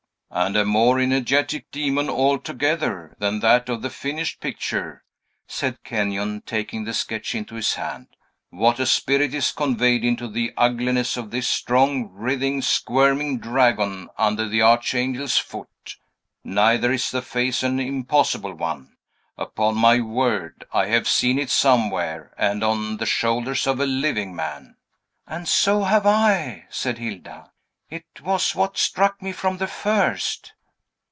"And a more energetic demon, altogether, than that of the finished picture," said Kenyon, taking the sketch into his hand. "What a spirit is conveyed into the ugliness of this strong, writhing, squirming dragon, under the Archangel's foot! Neither is the face an impossible one. Upon my word, I have seen it somewhere, and on the shoulders of a living man!" "And so have I," said Hilda. "It was what struck me from the first."